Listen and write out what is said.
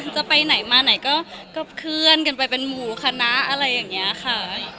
จะไปไหนมาไหนก็เคลื่อนกันไปเป็นหมู่คณะอะไรอย่างนี้ค่ะ